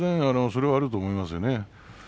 それはあると思います。